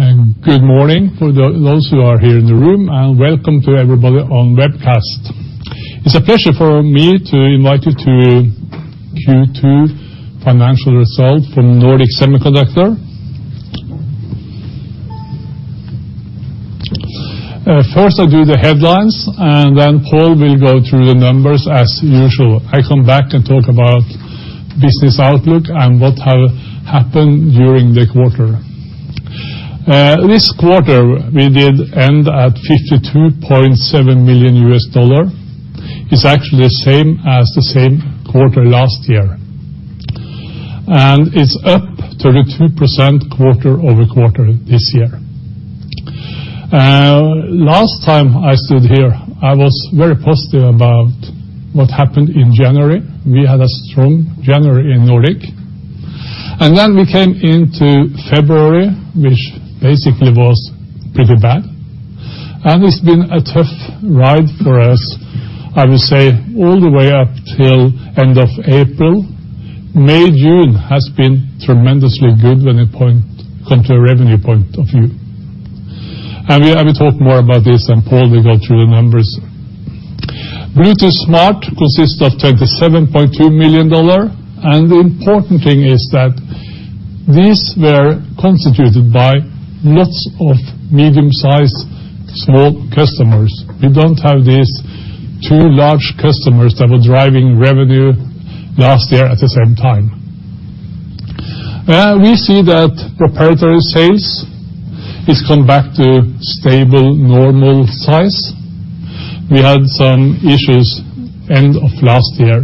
Good morning for those who are here in the room, and welcome to everybody on webcast. It's a pleasure for me to invite you to Q2 financial result from Nordic Semiconductor. First I'll do the headlines, and then Pål will go through the numbers as usual. I come back and talk about business outlook and what have happened during the quarter. This quarter, we did end at $52.7 million. It's actually the same as the same quarter last year, and it's up 32% quarter-over-quarter this year. Last time I stood here, I was very positive about what happened in January. We had a strong January in Nordic, and then we came into February, which basically was pretty bad, and it's been a tough ride for us, I would say, all the way up until end of April. May, June has been tremendously good when it come to a revenue point of view. We, I will talk more about this, and Pål will go through the numbers. Bluetooth Smart consists of $27.2 million, and the important thing is that these were constituted by lots of medium-sized small customers. We don't have these two large customers that were driving revenue last year at the same time. We see that proprietary sales is come back to stable, normal size. We had some issues end of last year.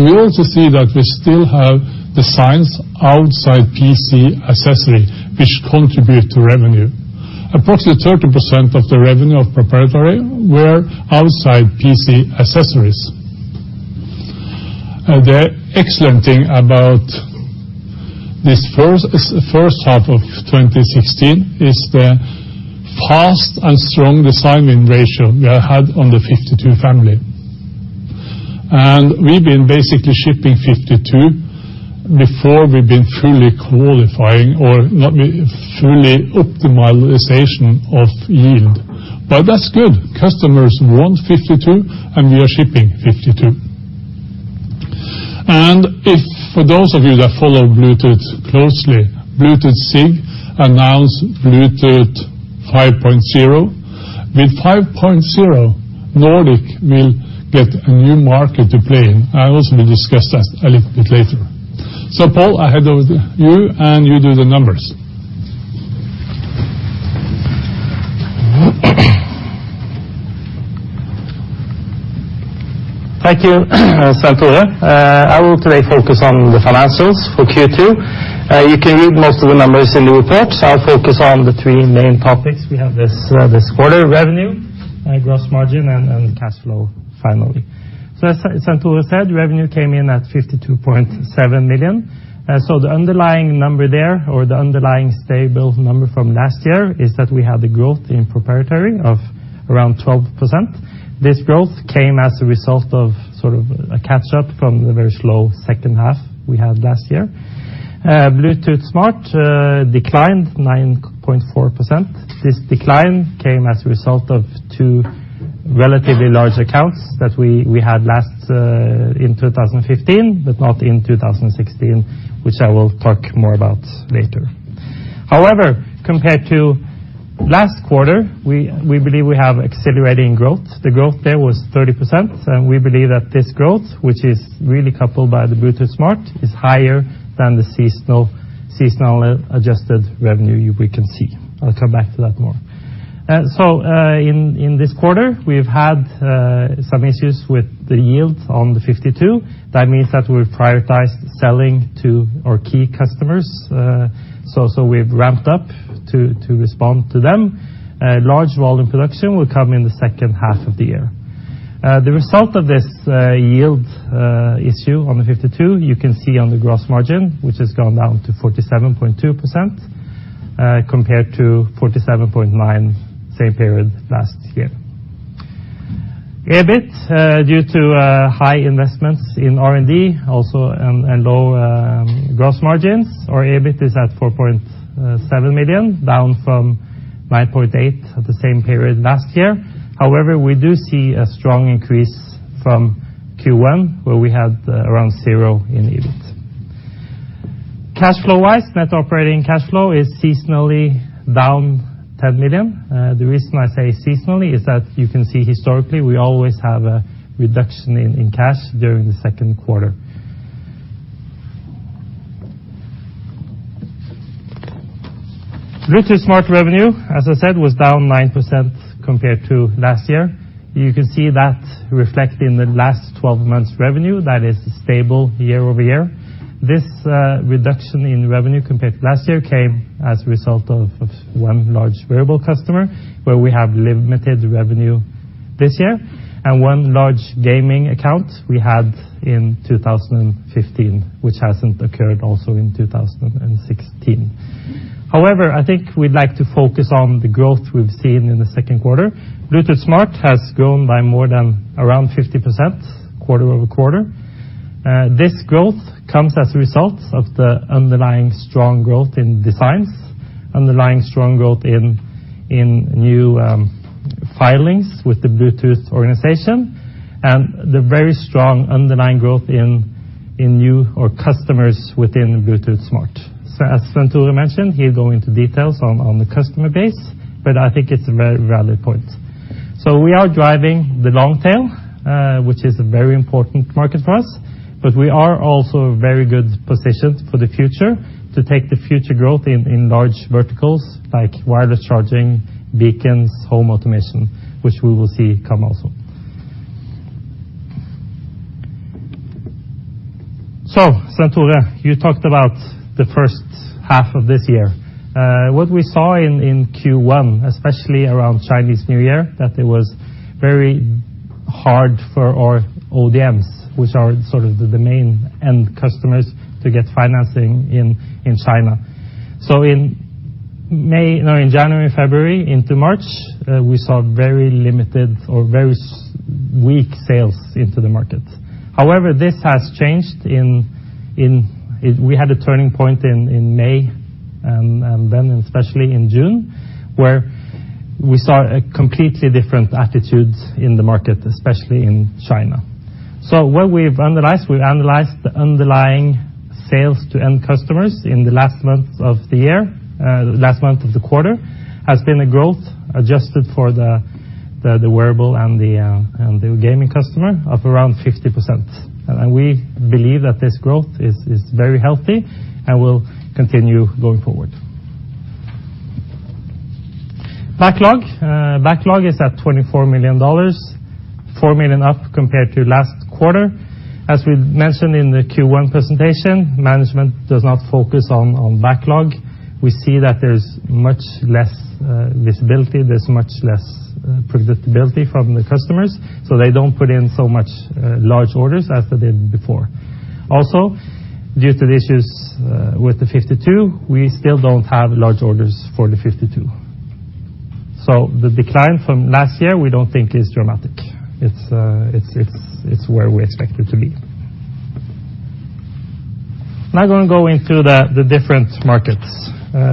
We also see that we still have designs outside PC accessory, which contribute to revenue. Approximately 30% of the revenue of proprietary were outside PC accessories. The excellent thing about this first half of 2016 is the fast and strong design-in ratio we have had on the nRF52 family. We've been basically shipping nRF52 before we've been fully qualifying or not fully optimization of yield, but that's good. Customers want nRF52, and we are shipping nRF52. If, for those of you that follow Bluetooth closely, Bluetooth SIG announced Bluetooth 5.0. With 5.0, Nordic will get a new market to play in. I will also discuss that a little bit later. Pål, I hand over to you, and you do the numbers. Thank you, Svenn-Tore. I will today focus on the financials for Q2. You can read most of the numbers in the report, so I'll focus on the three main topics we have this quarter: revenue, gross margin, and cash flow, finally. As Svenn-Tore Larsen said, revenue came in at $52.7 million. The underlying number there, or the underlying stable number from last year, is that we had the growth in proprietary of around 12%. This growth came as a result of sort of a catch-up from the very slow second half we had last year. Bluetooth Smart declined 9.4%. This decline came as a result of two relatively large accounts that we had last in 2015, but not in 2016, which I will talk more about later. Compared to last quarter, we believe we have accelerating growth. The growth there was 30%, and we believe that this growth, which is really coupled by the Bluetooth Smart, is higher than the seasonally adjusted revenue we can see. I'll come back to that more. In this quarter, we've had some issues with the yield on the nRF52. That means that we've prioritized selling to our key customers, so we've ramped up to respond to them. Large volume production will come in the second half of the year. The result of this yield issue on the nRF52, you can see on the gross margin, which has gone down to 47.2% compared to 47.9 same period last year. EBIT, due to high investments in R&D also and low gross margins, our EBIT is at $4.7 million, down from $9.8 million at the same period last year. We do see a strong increase from Q1, where we had around 0 in EBIT. Cash flow-wise, net operating cash flow is seasonally down $10 million. The reason I say seasonally is that you can see historically, we always have a reduction in cash during the Q2. Bluetooth Smart revenue, as I said, was down 9% compared to last year. You can see that reflected in the last 12 months revenue, that is stable year-over-year. This reduction in revenue compared to last year came as a result of one large wearable customer, where we have limited revenue this year, and one large gaming account we had in 2015, which hasn't occurred also in 2016. However, I think we'd like to focus on the growth we've seen in the Q2. Bluetooth Smart has grown by more than around 50% quarter-over-quarter. This growth comes as a result of the underlying strong growth in designs, underlying strong growth in new filings with the Bluetooth organization, and the very strong underlying growth in new or customers within Bluetooth Smart. As Svenn-Tore Larsen mentioned, he'll go into details on the customer base, but I think it's a very valid point. We are driving the long tail, which is a very important market for us, but we are also very good positioned for the future to take the future growth in large verticals like wireless charging, beacons, home automation, which we will see come also. Svenn-Tore, you talked about the first half of this year. What we saw in Q1, especially around Chinese New Year, that it was very hard for our ODMs, which are sort of the main end customers, to get financing in China. In May, no, in January, February into March, we saw very limited or very weak sales into the market. However, this has changed. We had a turning point in May, and then especially in June, where we saw a completely different attitudes in the market, especially in China. What we've analyzed, we've analyzed the underlying sales to end customers in the last month of the year, last month of the quarter, has been a growth adjusted for the wearable and the gaming customer of around 50%. We believe that this growth is very healthy and will continue going forward. Backlog is at $24 million, $4 million up compared to last quarter. As we mentioned in the Q1 presentation, management does not focus on backlog. We see that there's much less visibility, there's much less predictability from the customers. They don't put in so much large orders as they did before. Due to the issues with the nRF52, we still don't have large orders for the nRF52. The decline from last year, we don't think is dramatic. It's where we expect it to be. I'm going to go into the different markets.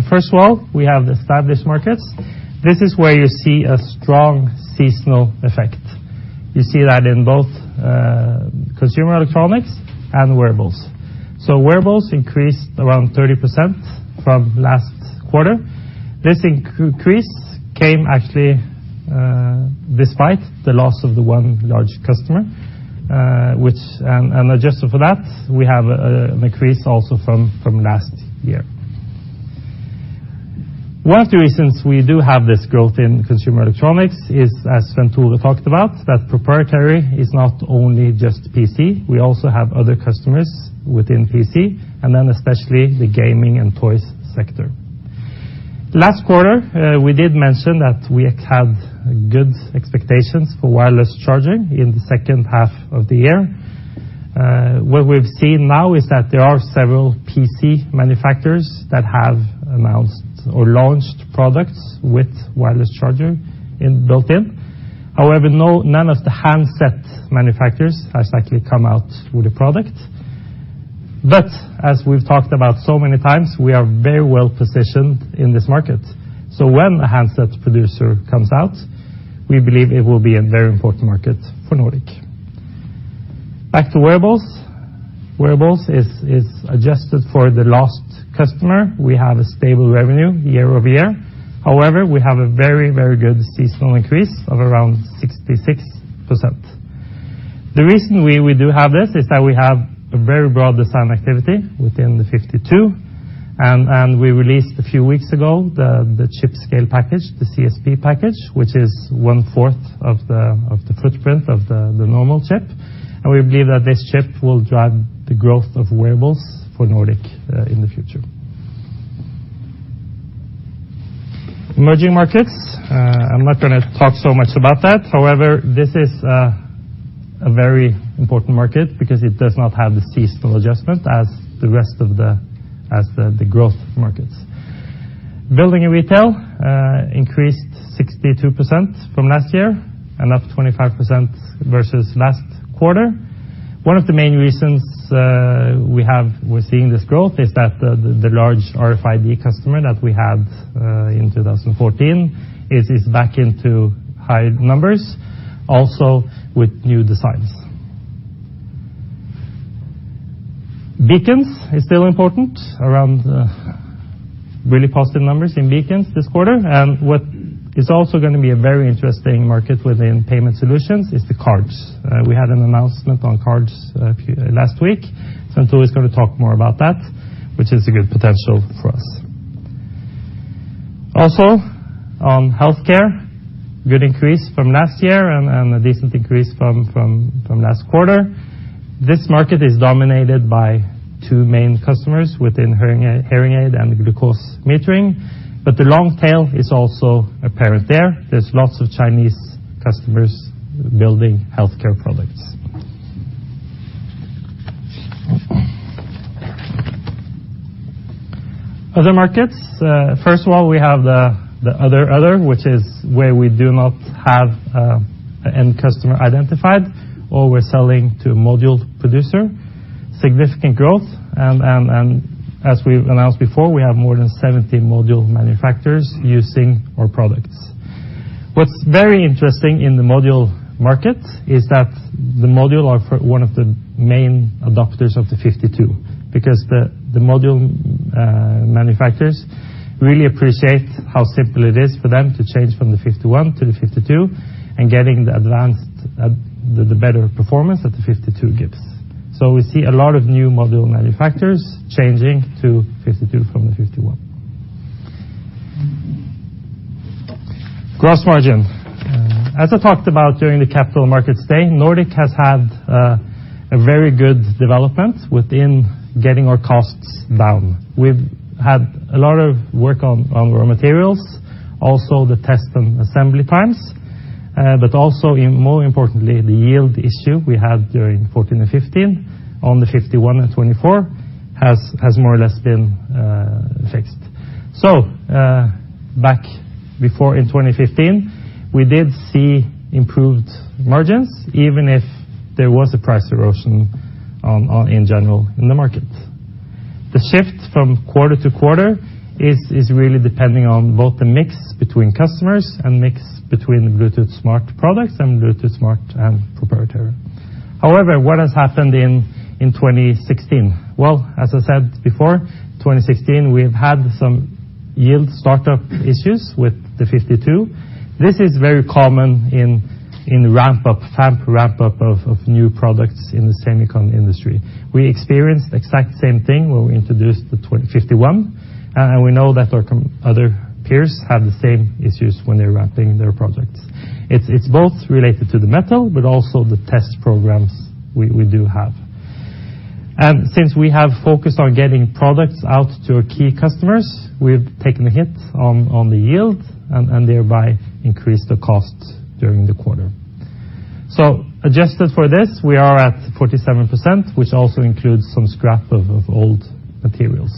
First of all, we have the established markets. This is where you see a strong seasonal effect. You see that in both consumer electronics and wearables. Wearables increased around 30% from last quarter. This increase came actually despite the loss of the one large customer, which and adjusted for that, we have an increase also from last year. One of the reasons we do have this growth in consumer electronics is, as Svenn-Tore talked about, that proprietary is not only just PC, we also have other customers within PC, and then especially the gaming and toys sector. Last quarter, we did mention that we had good expectations for wireless charging in the second half of the year. What we've seen now is that there are several PC manufacturers that have announced or launched products with wireless charger in, built in. However, none of the handset manufacturers has actually come out with a product. As we've talked about so many times, we are very well positioned in this market. When a handset producer comes out, we believe it will be a very important market for Nordic. Back to wearables. Wearables is adjusted for the lost customer. We have a stable revenue year-over-year. However, we have a very, very good seasonal increase of around 66%. The reason we do have this is that we have a very broad design activity within the nRF52, and we released a few weeks ago, the chip-scale package, the CSP package, which is one-fourth of the footprint of the normal chip. We believe that this chip will drive the growth of wearables for Nordic in the future. Emerging markets, I'm not going to talk so much about that. However, this is a very important market because it does not have the seasonal adjustment as the growth markets. Building and retail increased 62% from last year and up 25% versus last quarter. One of the main reasons we're seeing this growth is that the large RFID customer that we had in 2014 is back into high numbers, also with new designs. Beacons is still important, around really positive numbers in beacons this quarter. What is also going to be a very interesting market within payment solutions is the cards. We had an announcement on cards last week. Svenn-Tore is going to talk more about that, which is a good potential for us. Also, on healthcare, good increase from last year and a decent increase from last quarter. This market is dominated by two main customers within hearing aid and glucose metering, but the long tail is also apparent there. There's lots of Chinese customers building healthcare products. Other markets, first of all, we have the other, which is where we do not have an end customer identified or we're selling to module producer. Significant growth, and as we've announced before, we have more than 70 module manufacturers using our products. What's very interesting in the module market is that the module are one of the main adopters of the nRF52, because the module manufacturers really appreciate how simple it is for them to change from the nRF51 to the nRF52 and getting the advanced, the better performance that the nRF52 gives. We see a lot of new module manufacturers changing to nRF52 from the nRF51. Gross margin. As I talked about during the Capital Markets Day, Nordic has had a very good development within getting our costs down. We've had a lot of work on raw materials, also the test and assembly times, but also more importantly, the yield issue we had during 2014 and 2015 on the 51 and 24 has more or less been fixed. Back before in 2015, we did see improved margins, even if there was a price erosion in general in the market. The shift from quarter to quarter is really depending on both the mix between customers and mix between the Bluetooth Smart products and Bluetooth Smart and proprietary. However, what has happened in 2016? Well, as I said before, 2016, we've had some yield startup issues with the nRF52. This is very common in ramp up, fab ramp up of new products in the semicon industry. We experienced the exact same thing when we introduced the 51, and we know that our other peers have the same issues when they're ramping their projects. It's, it's both related to the metal, but also the test programs we do have. Since we have focused on getting products out to our key customers, we've taken a hit on the yield and thereby increased the costs during the quarter. Adjusted for this, we are at 47%, which also includes some scrap of old materials.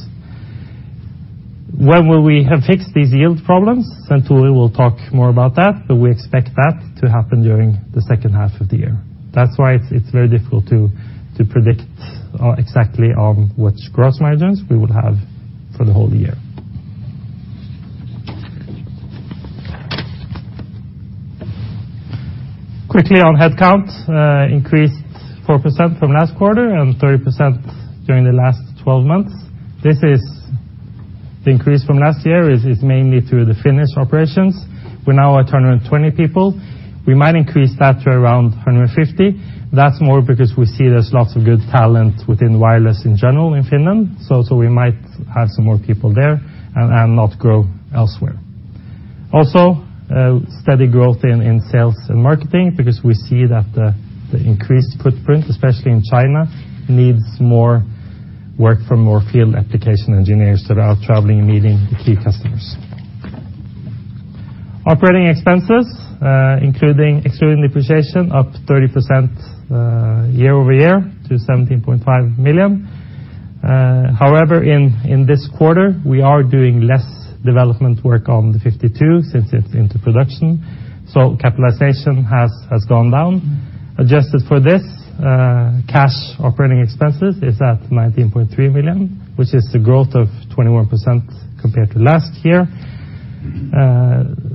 When will we have fixed these yield problems? Tore will talk more about that, but we expect that to happen during the second half of the year. That's why it's very difficult to predict exactly on which gross margins we would have for the whole year. Quickly on headcount, increased 4% from last quarter and 30% during the last 12 months. The increase from last year is mainly through the Finnish operations. We're now at 120 people. We might increase that to around 150. That's more because we see there's lots of good talent within wireless in general in Finland. So we might have some more people there and not grow elsewhere. Also, a steady growth in sales and marketing because we see that the increased footprint, especially in China, needs more work from more field application engineers that are out traveling and meeting the key customers. Operating expenses, excluding depreciation, up 30% year-over-year to $17.5 million. However, in this quarter, we are doing less development work on the nRF52 since it's into production, so capitalization has gone down. Adjusted for this, cash operating expenses is at $19.3 million, which is the growth of 21% compared to last year.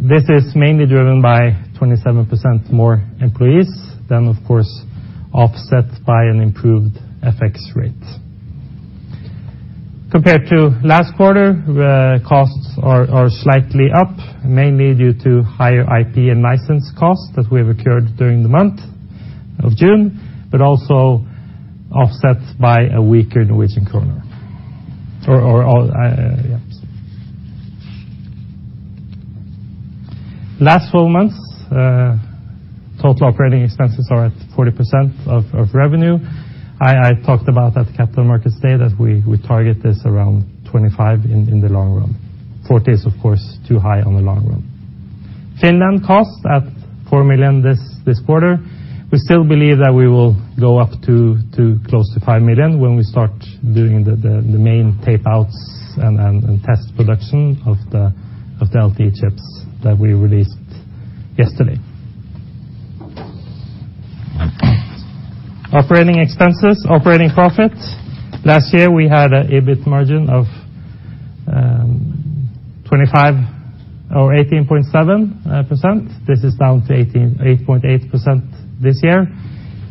This is mainly driven by 27% more employees, of course, offset by an improved FX rate. Compared to last quarter, costs are slightly up, mainly due to higher IP and license costs that we have occurred during the month of June, also offset by a weaker Norwegian kroner. Last 4 months, total operating expenses are at 40% of revenue. I talked about at the Capital Markets Day that we target this around 25 in the long run. 40 is, of course, too high on the long run. Finland cost at $4 million this quarter. We still believe that we will go up to close to $5 million when we start doing the main tapeouts and test production of the LTE chips that we released yesterday. Operating expenses, operating profit. Last year, we had an EBIT margin of 25% or 18.7%. This is down to 8.8% this year,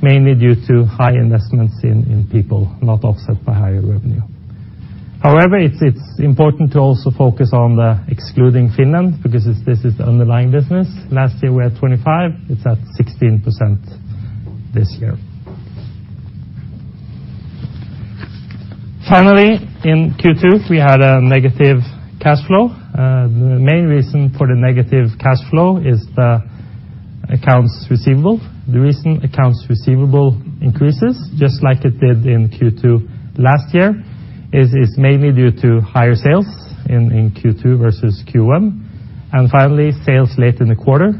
mainly due to high investments in people, not offset by higher revenue. However, it's important to also focus on the excluding Finland, because this is the underlying business. Last year, we had 25, it's at 16% this year. Finally, in Q2, we had a negative cash flow. The main reason for the negative cash flow is accounts receivable. The reason accounts receivable increases, just like it did in Q2 last year, is mainly due to higher sales in Q2 versus Q1, and finally, sales late in the quarter.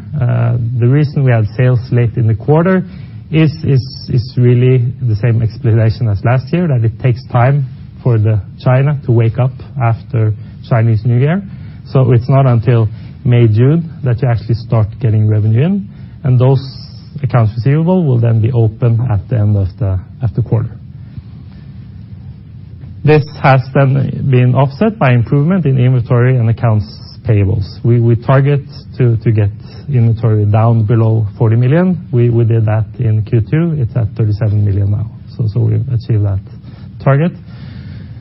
The reason we had sales late in the quarter is really the same explanation as last year, that it takes time for China to wake up after Chinese New Year. It's not until May, June, that you actually start getting revenue in, and those accounts receivable will then be open at the end of the quarter. This has then been offset by improvement in inventory and accounts payables. We target to get inventory down below $40 million. We did that in Q2, it's at $37 million now. So we've achieved that target.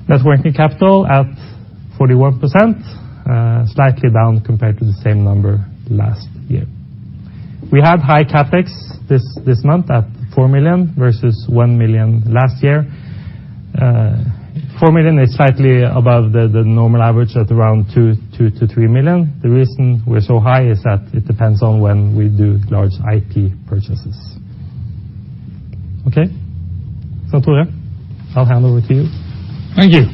Net working capital at 41%, slightly down compared to the same number last year. We had high CapEx this month at $4 million, versus $1 million last year. $4 million is slightly above the normal average at around $2 million–$3 million. The reason we're so high is that it depends on when we do large IT purchases. Okay? Tore, I'll hand over to you. Thank you.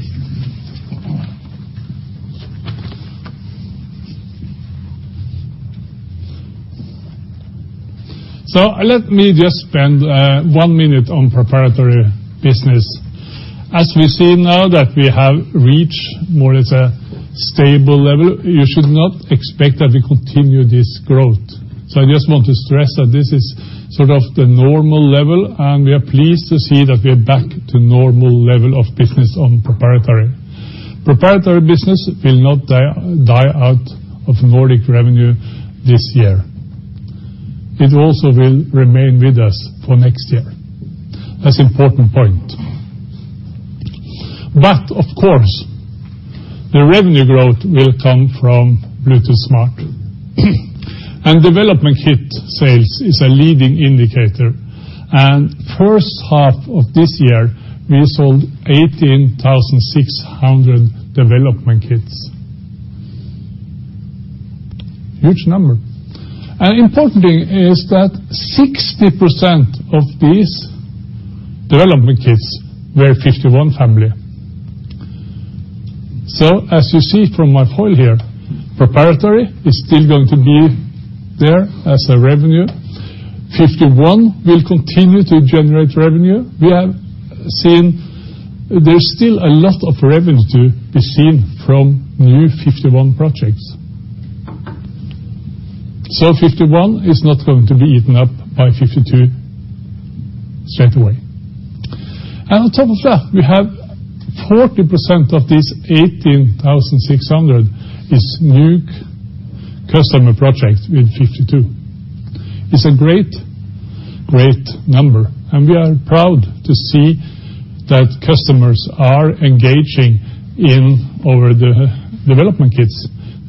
Let me just spend 1 minute on proprietary business. As we see now that we have reached more or less a stable level, you should not expect that we continue this growth. I just want to stress that this is sort of the normal level, and we are pleased to see that we are back to normal level of business on proprietary. Proprietary business will not die out of Nordic revenue this year. It also will remain with us for next year. That's important point. Of course, the revenue growth will come from Bluetooth Smart. Development kit sales is a leading indicator, and first half of this year, we sold 18,600 development kits. Huge number. Importantly, is that 60% of these development kits were 51 Family. As you see from my foil here, proprietary is still going to be there as a revenue. Fifty-one will continue to generate revenue. There's still a lot of revenue to be seen from new Fifty-one projects. Fifty-one is not going to be eaten up by Fifty-two straight away. On top of that, we have 40% of these 18,600 is new customer projects with Fifty-two. It's a great number, and we are proud to see that customers are engaging in over the development kits,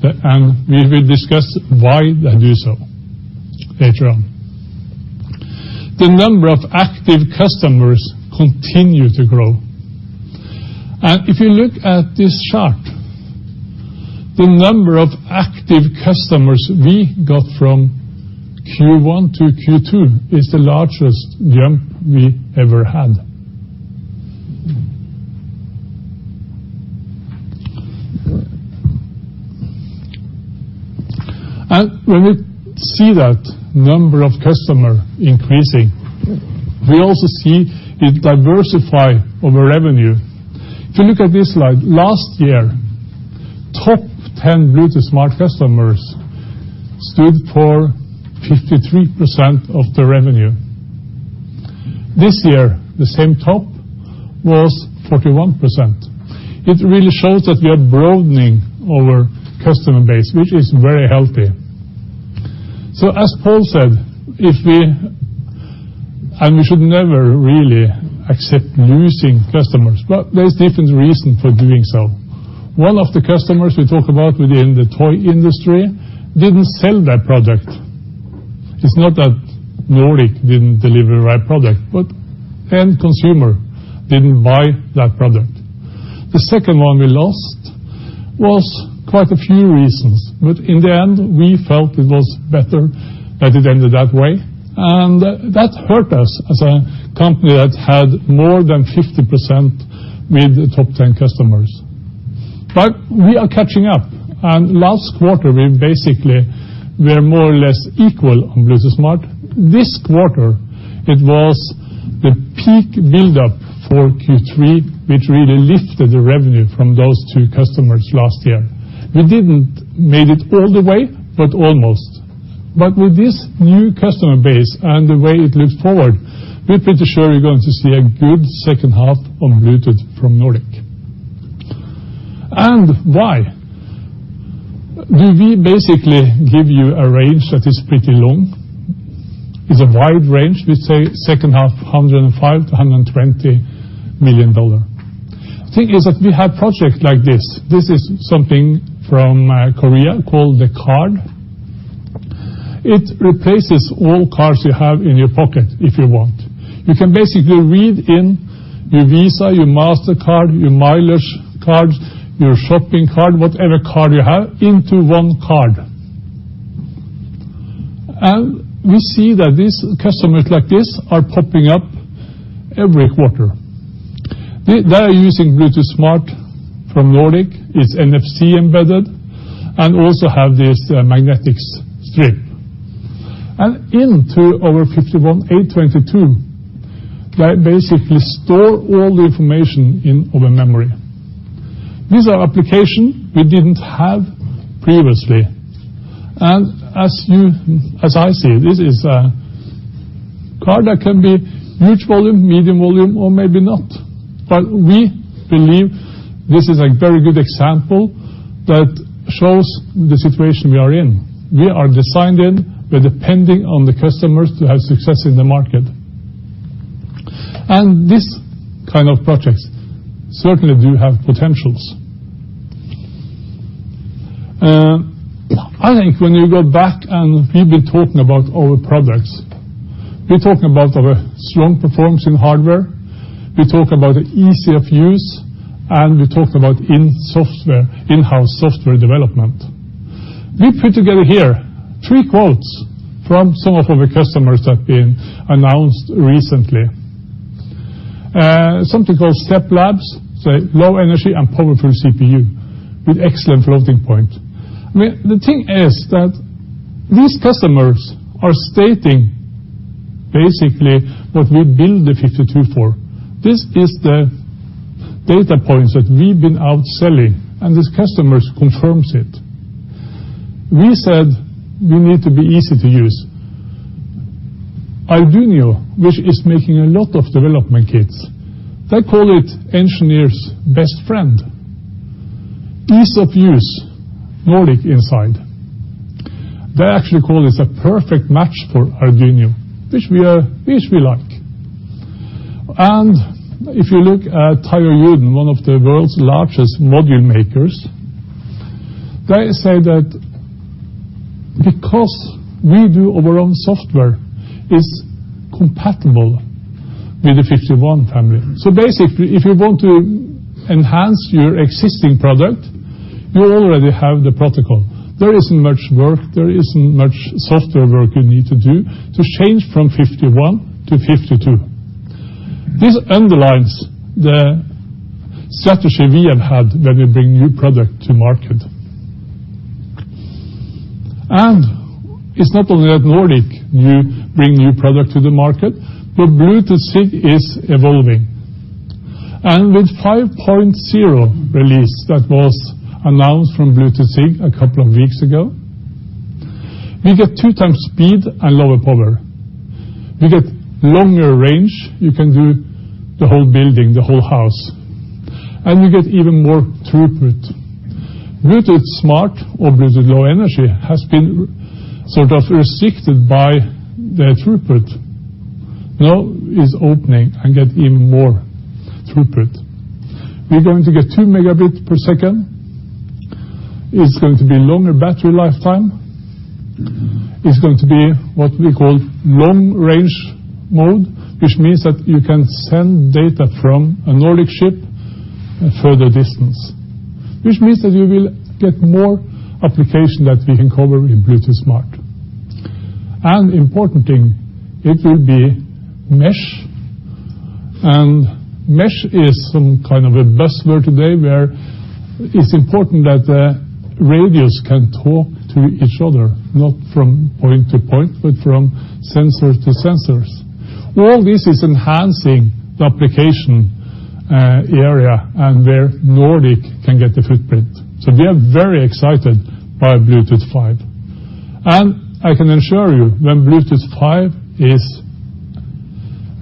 and we will discuss why they do so later on. The number of active customers continue to grow. If you look at this chart, the number of active customers we got from Q1 to Q2 is the largest jump we ever had. When we see that number of customer increasing, we also see it diversify over revenue. If you look at this slide, last year, top 10 Bluetooth Smart customers stood for 53% of the revenue. This year, the same top was 41%. It really shows that we are broadening our customer base, which is very healthy. As Pål said, if we should never really accept losing customers, but there's different reason for doing so. One of the customers we talk about within the toy industry, didn't sell their product. It's not that Nordic didn't deliver the right product, but end consumer didn't buy that product. The second one we lost was quite a few reasons, but in the end, we felt it was better that it ended that way, and that hurt us as a company that had more than 50% with the top 10 customers. We are catching up, and last quarter, we basically were more or less equal on Bluetooth Smart. This quarter, it was the peak buildup for Q3, which really lifted the revenue from those two customers last year. We didn't made it all the way, but almost. With this new customer base and the way it looks forward, we're pretty sure you're going to see a good second half on Bluetooth from Nordic. Why do we basically give you a range that is pretty long? It's a wide range. We say second half, $105 million–$120 million. The thing is that we have projects like this. This is something from Korea called the card. It replaces all cards you have in your pocket, if you want. You can basically read in your Visa, your Mastercard, your mileage cards, your shopping card, whatever card you have, into one card. We see that these customers like this are popping up every quarter. They are using Bluetooth Smart from Nordic, it's NFC embedded, and also have this magnetic strip. Into our nRF51822, they basically store all the information in our memory. These are application we didn't have previously. As I see, this is a card that can be huge volume, medium volume, or maybe not. We believe this is a very good example that shows the situation we are in. We are designing, we're depending on the customers to have success in the market. These kind of projects certainly do have potentials. I think when you go back and we've been talking about our products, we talk about our strong performance in hardware, we talk about the ease of use, and we talk about in software, in-house software development. We put together here three quotes from some of our customers that have been announced recently. Something called Step Labs, say, "Low energy and powerful CPU with excellent floating point." I mean, the thing is that these customers are stating basically what we build the nRF52 for. This is the data points that we've been out selling. These customers confirms it. We said we need to be easy to use. Arduino, which is making a lot of development kits, they call it engineer's best friend. Ease of use, Nordic inside. They actually call this a perfect match for Arduino, which we like. If you look at Taiyo Yuden, one of the world's largest module makers, they say that because we do our own software, it's compatible with the Fifty-one family. Basically, if you want to enhance your existing product, you already have the protocol. There isn't much work, there isn't much software work you need to do to change from Fifty-one to Fifty-two. This underlines the strategy we have had when we bring new product to market. It's not only at Nordic, you bring new product to the market, but Bluetooth SIG is evolving. With 5.0 release that was announced from Bluetooth SIG a couple of weeks ago, we get two times speed and lower power. We get longer range, you can do the whole building, the whole house, and you get even more throughput. Bluetooth Smart or Bluetooth Low Energy has been sort of restricted by the throughput. Now, it's opening and get even more throughput. We're going to get 2 Mbps. It's going to be longer battery lifetime. It's going to be what we call long range mode, which means that you can send data from a Nordic chip a further distance, which means that you will get more application that we can cover in Bluetooth Smart. Important thing, it will be mesh, and mesh is some kind of a buzzword today, where it's important that the radios can talk to each other, not from point to point, but from sensor to sensors. All this is enhancing the application, area and where Nordic can get the footprint. We are very excited by Bluetooth 5. I can assure you, when Bluetooth 5 is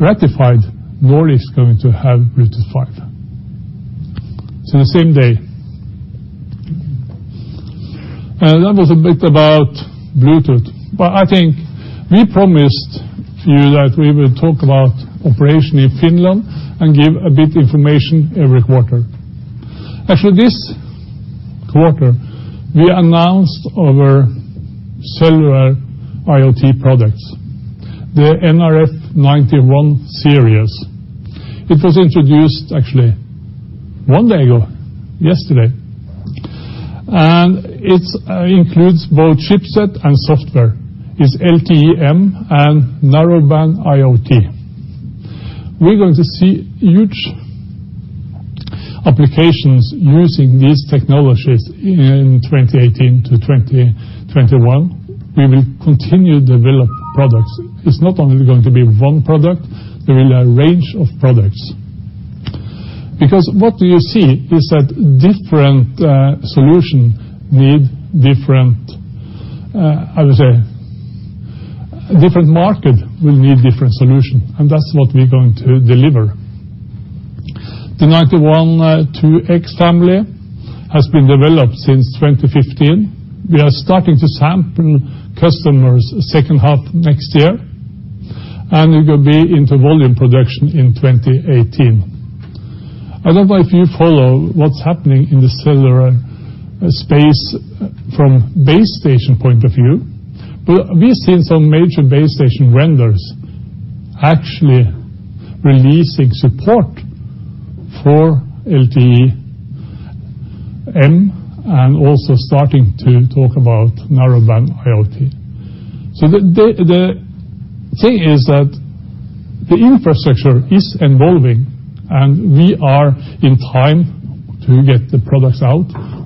ratified, Nordic is going to have Bluetooth 5. The same day. That was a bit about Bluetooth, but I think we promised you that we will talk about operation in Finland and give a bit information every quarter. Actually, this quarter, we announced our Cellular IoT products, the nRF91 Series. It was introduced actually one day ago, yesterday, and it includes both chipset and software. It's LTE-M and Narrowband IoT. We're going to see huge applications using these technologies in 2018-2021. We will continue to develop products. It's not only going to be one product, there will be a range of products. Because what you see is that different market will need different solution, and that's what we're going to deliver. The nRF91, 2X family has been developed since 2015. We are starting to sample customers second half next year, and it will be into volume production in 2018. I don't know if you follow what's happening in the cellular space from base station point of view, but we've seen some major base station vendors actually releasing support for LTE-M, and also starting to talk about Narrowband IoT. The thing is that the infrastructure is evolving, and we are in time to get the products out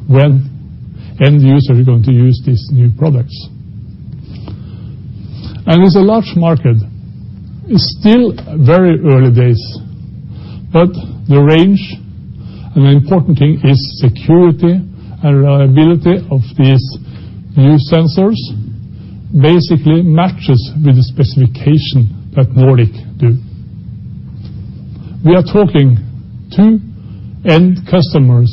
when end users are going to use these new products. It's a large market. It's still very early days, but the range, and the important thing is security and reliability of these new sensors basically matches with the specification that Nordic do. We are talking to end customers,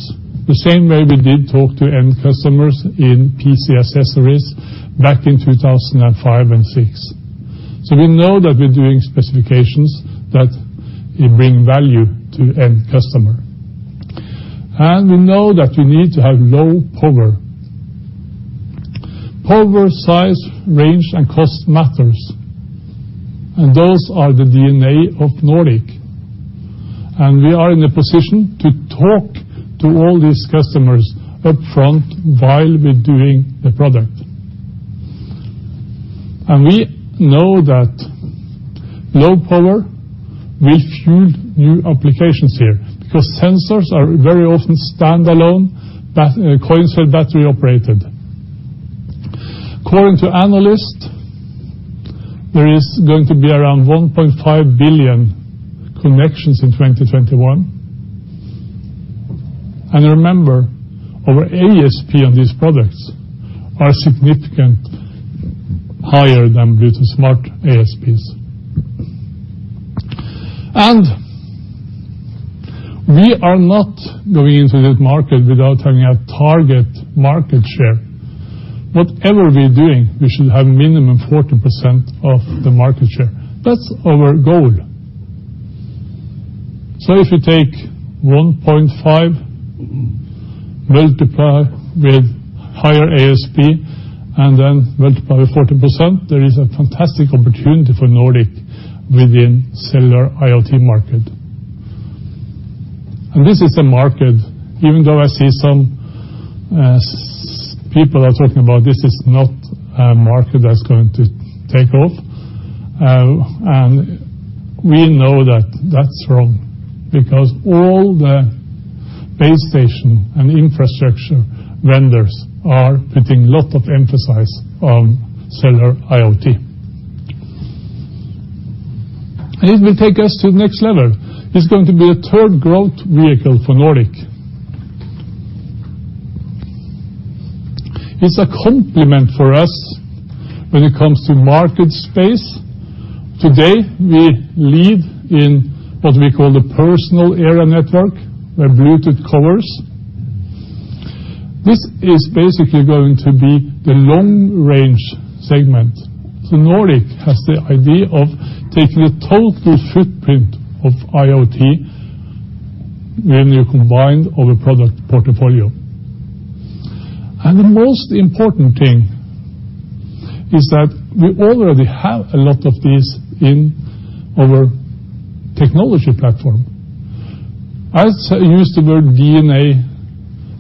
the same way we did talk to end customers in PC accessories back in 2005 and 2006. We know that we're doing specifications that will bring value to the end customer. We know that you need to have low power. Power, size, range, and cost matters, and those are the DNA of Nordic. We are in a position to talk to all these customers upfront while we're doing the product. We know that low power will fuel new applications here, because sensors are very often standalone, coin cell battery operated. According to analysts, there is going to be around 1.5 billion connections in 2021. Remember, our ASP on these products are significant higher than Bluetooth Smart ASPs. We are not going into that market without having a target market share. Whatever we're doing, we should have minimum 40% of the market share. That's our goal. If you take 1.5, multiply with higher ASP, and then multiply with 40%, there is a fantastic opportunity for Nordic within Cellular IoT market. This is a market, even though I see some people are talking about, this is not a market that's going to take off, and we know that that's wrong, because all the base station and infrastructure vendors are putting lot of emphasis on Cellular IoT. It will take us to the next level. It's going to be a third growth vehicle for Nordic. It's a complement for us when it comes to market space. Today, we lead in what we call the personal area network, where Bluetooth covers. This is basically going to be the long-range segment. Nordic has the idea of taking a total footprint of IoT when you combine all the product portfolio. The most important thing is that we already have a lot of these in our technology platform. I use the word DNA,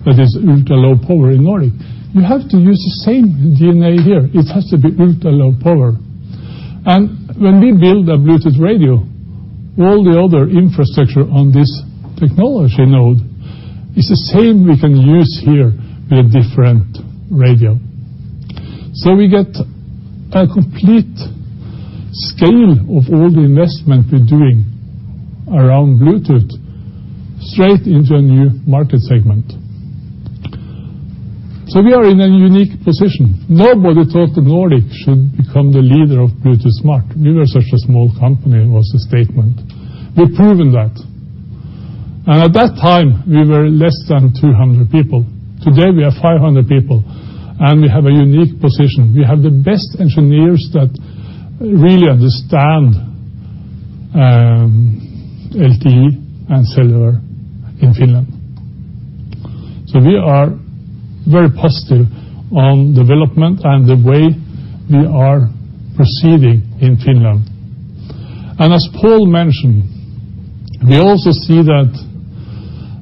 that is ultra-low power in Nordic. You have to use the same DNA here. It has to be ultra-low power. When we build a Bluetooth radio, all the other infrastructure on this technology node is the same we can use here with a different radio. We get a complete scale of all the investment we're doing around Bluetooth straight into a new market segment. We are in a unique position. Nobody thought that Nordic should become the leader of Bluetooth Smart. We were such a small company, it was a statement. We've proven that. At that time, we were less than 200 people. Today, we are 500 people, we have a unique position. We have the best engineers that really understand LTE and cellular in Finland. We are very positive on development and the way we are proceeding in Finland. As Pål mentioned, we also see that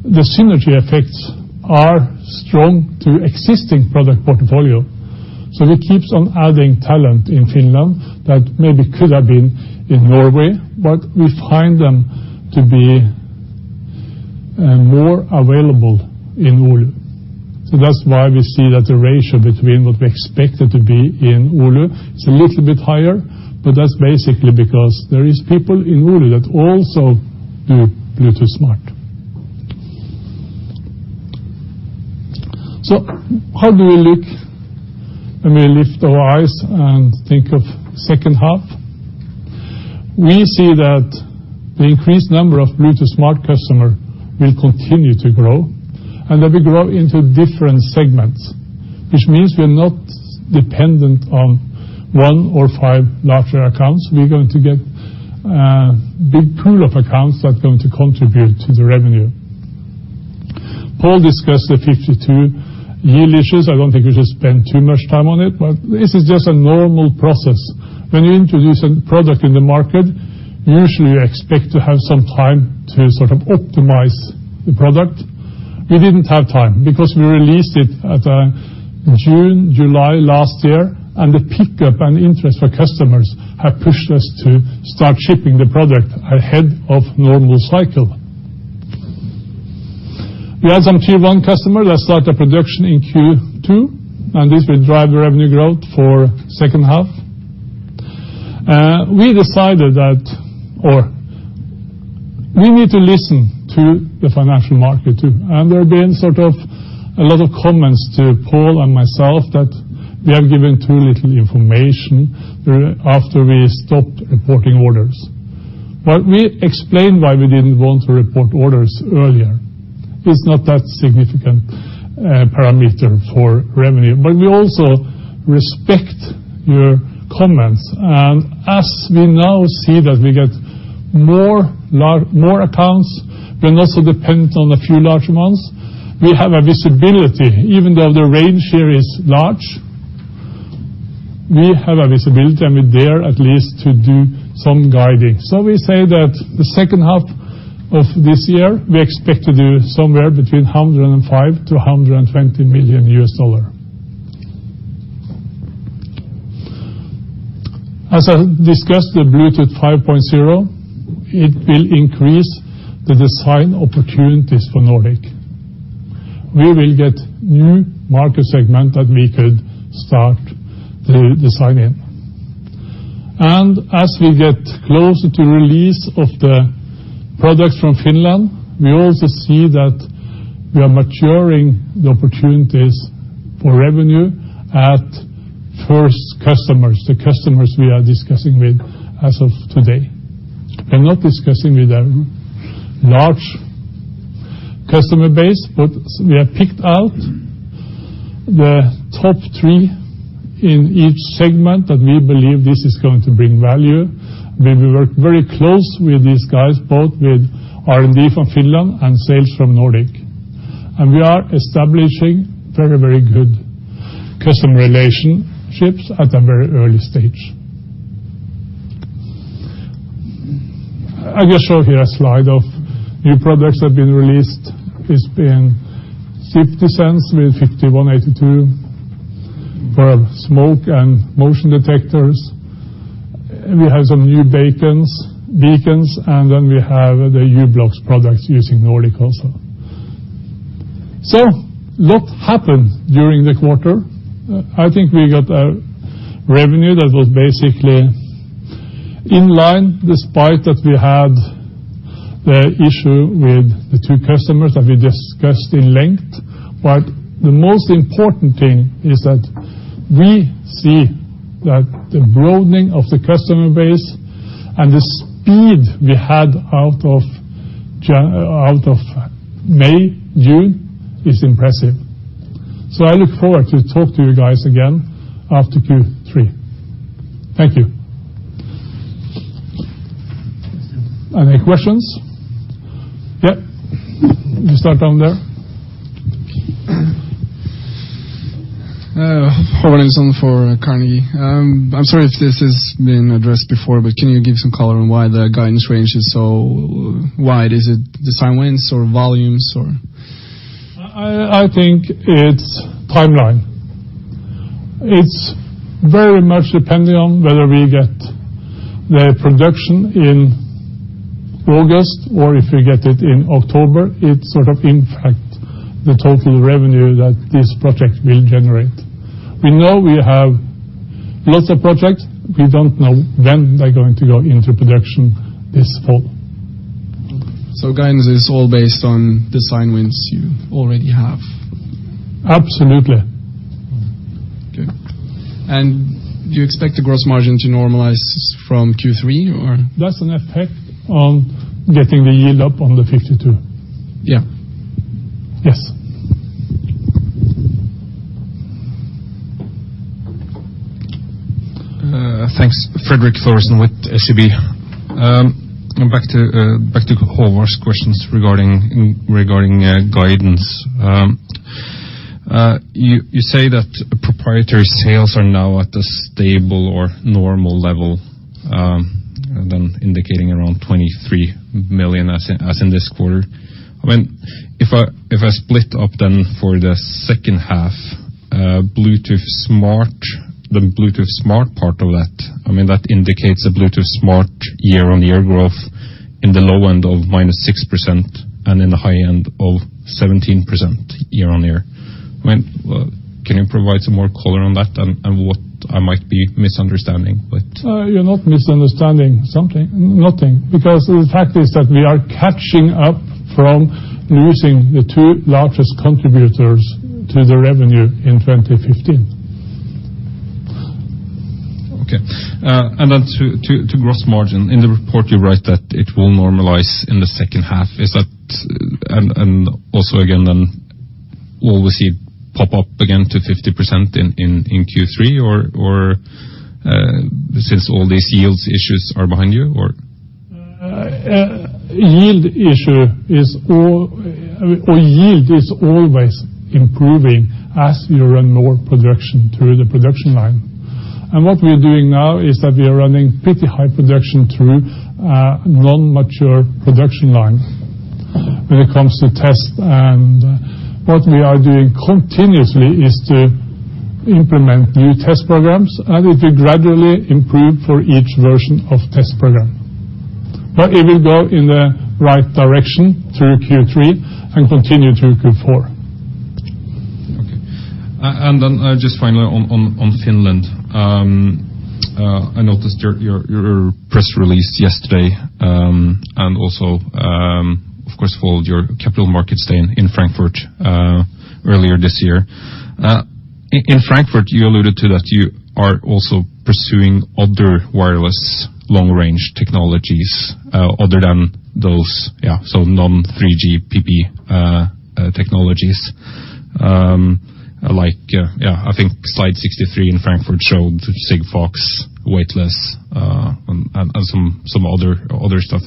the synergy effects are strong to existing product portfolio. We keeps on adding talent in Finland that maybe could have been in Norway, but we find them to be more available in Oulu. That's why we see that the ratio between what we expected to be in Oulu is a little bit higher, but that's basically because there is people in Oulu that also do Bluetooth Smart. How do we look when we lift our eyes and think of second half? We see that the increased number of Bluetooth Smart customer will continue to grow, and that we grow into different segments, which means we're not dependent on one or five larger accounts. We're going to get a big pool of accounts that are going to contribute to the revenue. Pål discussed the nRF52 yield issues. I don't think we should spend too much time on it, but this is just a normal process. When you introduce a product in the market, usually you expect to have some time to sort of optimize the product. We didn't have time, because we released it at June, July last year, and the pickup and interest for customers have pushed us to start shipping the product ahead of normal cycle. We have some Q1 customers that start their production in Q2, and this will drive the revenue growth for second half. We decided that or we need to listen to the financial market too, there have been sort of a lot of comments to Pål and myself that we have given too little information after we stopped reporting orders. We explained why we didn't want to report orders earlier. It's not that significant parameter for revenue, but we also respect your comments. As we now see that we get more accounts, we're not so dependent on a few large ones. We have a visibility, even though the range here is large, we have a visibility, and we dare at least to do some guiding. We say that the second half of this year, we expect to do somewhere between $105 million–$120 million. As I discussed, the Bluetooth 5.0, it will increase the design opportunities for Nordic. We will get new market segment that we could start to design in. As we get closer to release of the products from Finland, we also see that we are maturing the opportunities for revenue at first customers, the customers we are discussing with as of today. We're not discussing with a large customer base, but we have picked out the top 3 in each segment that we believe this is going to bring value. We work very close with these guys, both with R&D from Finland and sales from Nordic. We are establishing very, very good customer relationships at a very early stage. I will show here a slide of new products that have been released. It's been fifty cents with nRF51822 for smoke and motion detectors. We have some new beacons, and we have the u-blox products using Nordic also. What happened during the quarter? I think we got a revenue that was basically in line, despite that we had the issue with the two customers that we discussed in length. The most important thing is that we see that the broadening of the customer base and the speed we had out of May, June is impressive. I look forward to talk to you guys again after Q3. Thank you. Any questions? Yep. You start down there. Håvard Nilsson for Carnegie. I'm sorry if this has been addressed before, but can you give some color on why the guidance range is so wide? Is it design wins or volumes, or? I think it's timeline. It's very much depending on whether we get the production in August or if we get it in October, it sort of impact the total revenue that this project will generate. We know we have lots of projects. We don't know when they're going to go into production this fall. Guidance is all based on design wins you already have? Absolutely. Okay. Do you expect the gross margin to normalize from Q3, or? That's an effect on getting the yield up on the nRF52. Yeah. Yes. Thanks, Fredrik Thorsen with SEB. Back to Håvard's questions regarding guidance. You say that proprietary sales are now at a stable or normal level, than indicating around $23 million as in this quarter. I mean, if I split up then for the second half, Bluetooth Smart, the Bluetooth Smart part of that, I mean, that indicates a Bluetooth Smart year-on-year growth in the low end of -6% and in the high end of 17% year-on-year. I mean, well, can you provide some more color on that and what I might be misunderstanding? You're not misunderstanding something, nothing, because the fact is that we are catching up from losing the 2 largest contributors to the revenue in 2015. Okay. To gross margin, in the report, you write that it will normalize in the second half. Also again, will we see it pop up again to 50% in Q3, or since all these yields issues are behind you, or? Yield is always improving as you run more production through the production line. What we're doing now is that we are running pretty high production through a non-mature production line when it comes to test. What we are doing continuously is to implement new test programs, and it will gradually improve for each version of test program. It will go in the right direction through Q3 and continue through Q4. Okay. Then, just finally on Finland. I noticed your press release yesterday, and also, of course, followed your Capital Markets Day in Frankfurt earlier this year. In Frankfurt, you alluded to that you are also pursuing other wireless long-range technologies, other than those, yeah, so non-3GPP technologies. Like, yeah, I think slide 63 in Frankfurt showed Sigfox, Weightless, and some other stuff.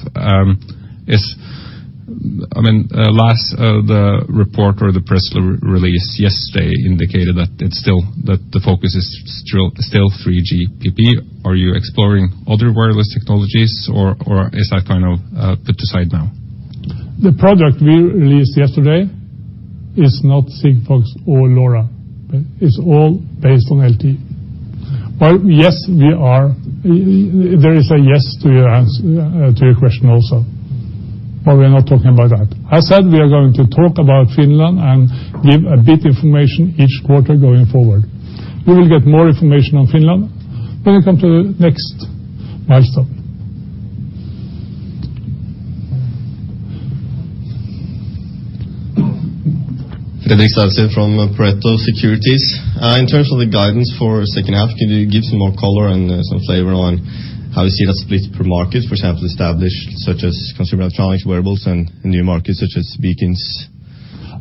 I mean, last, the report or the press release yesterday indicated that it's still, that the focus is still 3GPP. Are you exploring other wireless technologies or is that kind of put aside now? The product we released yesterday is not Sigfox or LoRa, it's all based on LTE. Yes, there is a yes to your ans- to your question also. We are not talking about that. I said we are going to talk about Finland and give a bit information each quarter going forward. You will get more information on Finland when we come to the next milestone. Fredrik Sæther from Pareto Securities. In terms of the guidance for second half, can you give some more color and some flavor on how you see that split per market, for example, established such as consumer electronics, wearables and new markets such as beacons?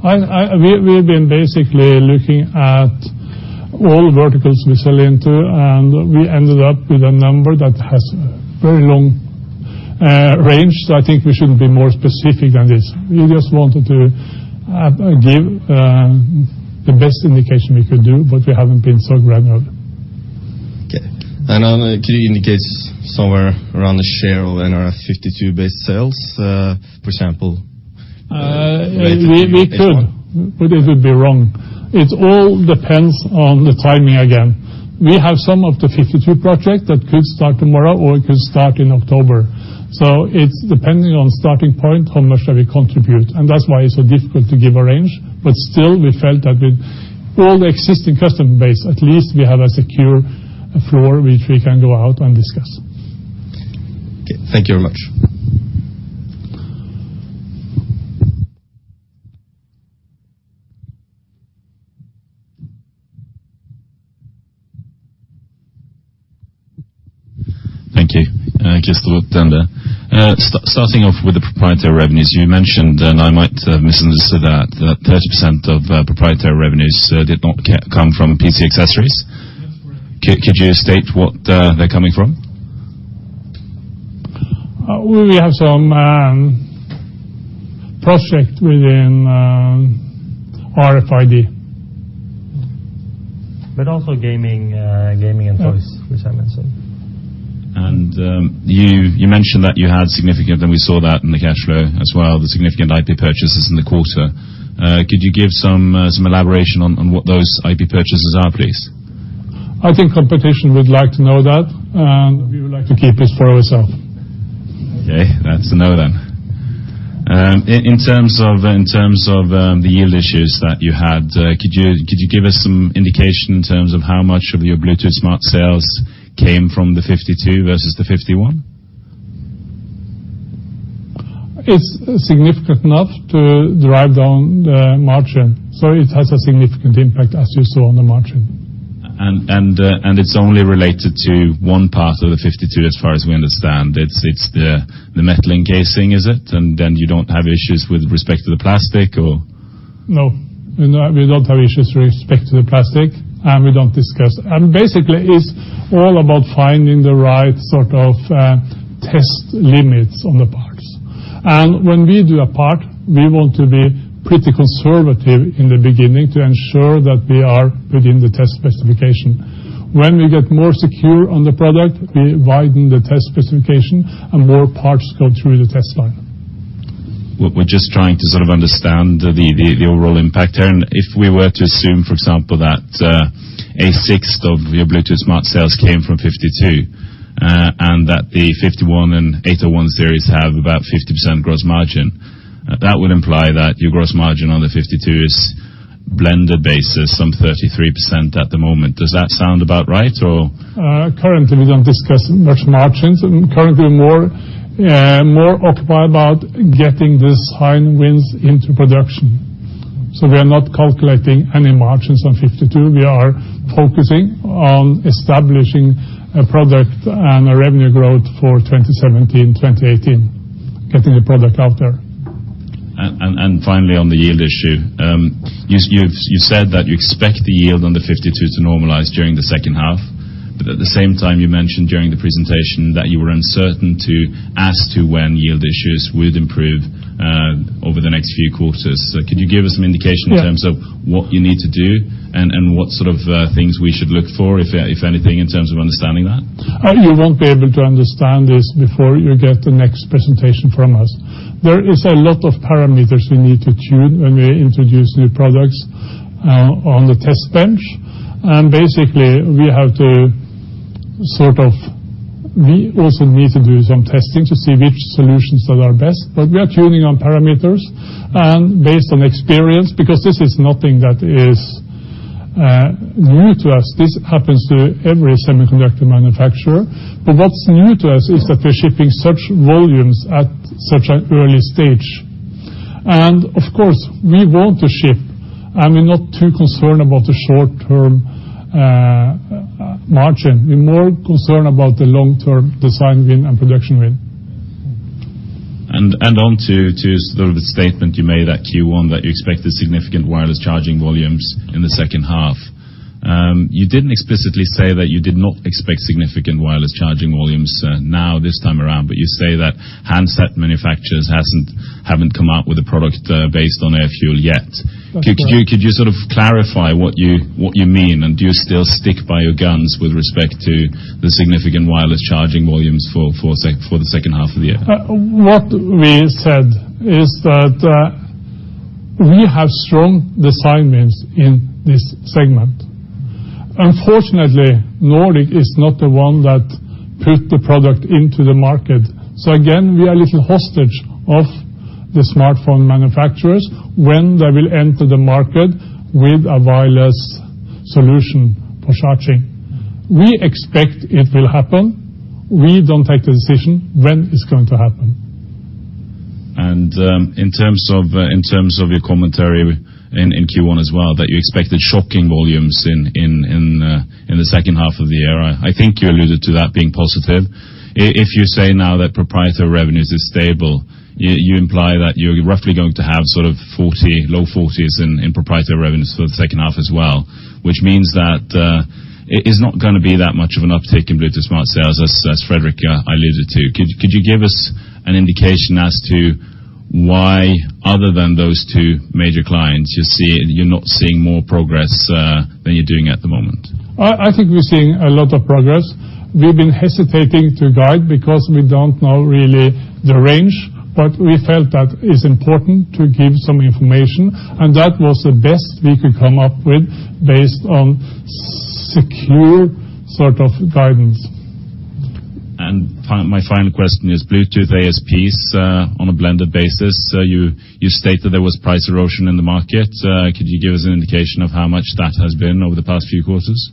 We've been basically looking at all verticals we sell into. We ended up with a number that has very long range. I think we shouldn't be more specific than this. We just wanted to give the best indication we could do. We haven't been so granular. Okay. Can you indicate somewhere around the share of nRF52 based sales, for example? We could, but it would be wrong. It all depends on the timing again. We have some of the nRF52 project that could start tomorrow, or it could start in October. It's depending on starting point, how much that we contribute, and that's why it's so difficult to give a range. Still, we felt that with all the existing customer base, at least we have a secure floor which we can go out and discuss. Okay, thank you very much. Thank you. Kristoffer Dande, starting off with the proprietary revenues, you mentioned, and I might have misunderstood that 30% of proprietary revenues did not come from PC accessories? That's correct. Could you state what they're coming from? We have some project within RFID. Also gaming and toys, which I mentioned. You mentioned that you had significant, and we saw that in the cash flow as well, the significant IP purchases in the quarter. Could you give some elaboration on what those IP purchases are, please? I think competition would like to know that. We would like to keep it for ourself. That's a no, then. In terms of the yield issues that you had, could you give us some indication in terms of how much of your Bluetooth Smart sales came from the nRF52 versus the nRF51? It's significant enough to drive down the margin, so it has a significant impact, as you saw on the margin. It's only related to one part of the nRF52, as far as we understand. It's the metal encasing, is it? You don't have issues with respect to the plastic or? No, we don't have issues with respect to the plastic, and we don't discuss. Basically, it's all about finding the right sort of test limits on the parts. When we do a part, we want to be pretty conservative in the beginning to ensure that we are within the test specification. When we get more secure on the product, we widen the test specification and more parts go through the test line. We're just trying to sort of understand the overall impact there. If we were to assume, for example, that a sixth of your Bluetooth Smart sales came from nRF52, and that the nRF51 and nRF8001 series have about 50% gross margin, that would imply that your gross margin on the nRF52 is blended basis, some 33% at the moment. Does that sound about right, or? Currently, we don't discuss much margins, and currently more occupied about getting this high winds into production. We are not calculating any margins on nRF52. We are focusing on establishing a product and a revenue growth for 2017, 2018, getting the product out there. Finally, on the yield issue, you said that you expect the yield on the nRF52 to normalize during the second half. At the same time, you mentioned during the presentation that you were uncertain to as to when yield issues would improve over the next few quarters. Could you give us some indication? Yeah in terms of what you need to do and what sort of things we should look for, if anything, in terms of understanding that? You won't be able to understand this before you get the next presentation from us. There is a lot of parameters we need to tune when we introduce new products on the test bench. Basically, we also need to do some testing to see which solutions that are best. We are tuning on parameters and based on experience, because this is nothing that is new to us. This happens to every semiconductor manufacturer. What's new to us is that we're shipping such volumes at such an early stage. Of course, we want to ship, and we're not too concerned about the short-term margin. We're more concerned about the long-term design win and production win. On to sort of the statement you made at Q1, that you expect the significant wireless charging volumes in the second half. You didn't explicitly say that you did not expect significant wireless charging volumes, now, this time around, but you say that handset manufacturers haven't come out with a product, based on AirFuel yet. That's right. Could you sort of clarify what you mean? Do you still stick by your guns with respect to the significant wireless charging volumes for the second half of the year? what we said is that we have strong design wins in this segment. Unfortunately, Nordic is not the one that put the product into the market. Again, we are a little hostage of the smartphone manufacturers when they will enter the market with a wireless solution for charging. We expect it will happen. We don't take the decision when it's going to happen. In terms of your commentary in Q1 as well, that you expected shocking volumes in the second half of the year. I think you alluded to that being positive. If you say now that proprietary revenues is stable, you imply that you're roughly going to have sort of 40, low 40s in proprietary revenues for the second half as well. Which means that it is not gonna be that much of an uptick in Bluetooth Smart sales, as Fredrik alluded to. Could you give us an indication as to why, other than those two major clients, you're not seeing more progress than you're doing at the moment? I think we're seeing a lot of progress. We've been hesitating to guide, because we don't know really the range, but we felt that it's important to give some information, and that was the best we could come up with based on secure sort of guidance. My final question is Bluetooth ASPs on a blended basis. You stated there was price erosion in the market. Could you give us an indication of how much that has been over the past few quarters?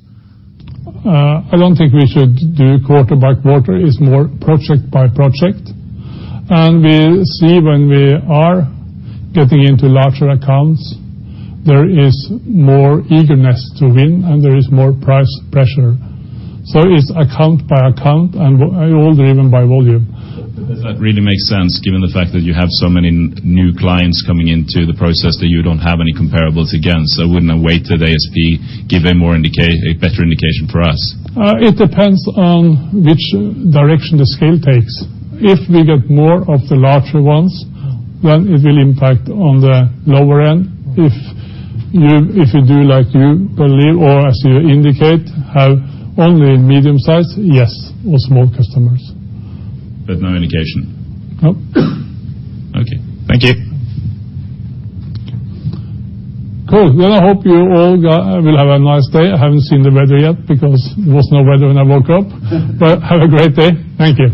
I don't think we should do quarter by quarter. It's more project by project. We see when we are getting into larger accounts, there is more eagerness to win, and there is more price pressure. It's account by account, and all driven by volume. That really makes sense given the fact that you have so many new clients coming into the process that you don't have any comparables against. Wouldn't a weighted ASP give a better indication for us? It depends on which direction the scale takes. If we get more of the larger ones, then it will impact on the lower end. If you do like you believe or as you indicate, have only medium size, yes, or small customers. No indication? No. Okay. Thank you. Cool. Well, I hope you all will have a nice day. I haven't seen the weather yet because was no weather when I woke up. Have a great day. Thank you.